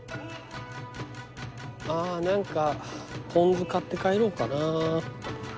あぁ何かポン酢買って帰ろうかな。